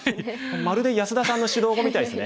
まるで安田さんの指導碁みたいですね。